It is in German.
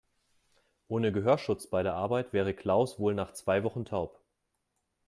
Ohne Gehörschutz bei der Arbeit wäre Klaus wohl nach zwei Wochen taub.